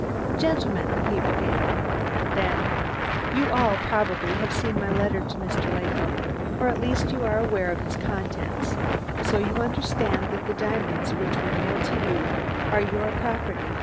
"Gentlemen," he began, then, "you all, probably, have seen my letter to Mr. Latham, or at least you are aware of its contents, so you understand that the diamonds which were mailed to you are your property.